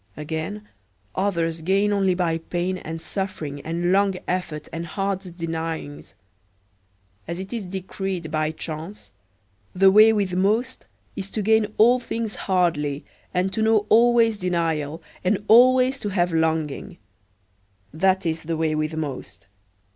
Again, others gain only by pain and suffering and long effort and hard denyings. As it is decreed by chance, the way with most is to gain all things hardly, and to know always denial, and always to have longing. That is the way with most.